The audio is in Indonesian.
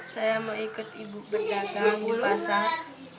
saya mau ikut ibu berdagang di pasar